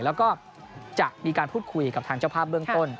แล้วก็จะมีการพูดคุยกับทางเจ้าภาพเบื้องต้น